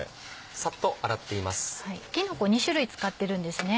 きのこ２種類使ってるんですね。